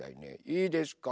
いいですか？